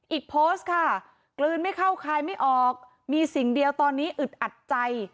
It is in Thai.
อีกโพสต์ค่ะกลืนไม่เข้าคายไม่ออกมีสิ่งเดียวตอนนี้อึดอัดใจ